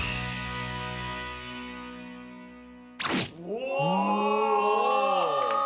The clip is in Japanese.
お！